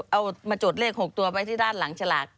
เอามาจดเลข๖ตัวไว้ที่ด้านหลังฉลาก